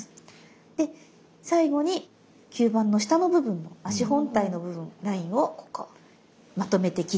で最後に吸盤の下の部分足本体の部分ラインをまとめて切っていきます。